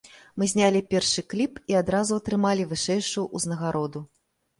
Мы знялі першы кліп і адразу атрымалі вышэйшую ўзнагароду.